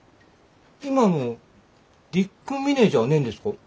今のディック・ミネじゃねんですか？